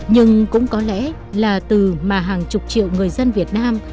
nhưng cũng có lẽ là từ mà hàng chục triệu người dân việt nam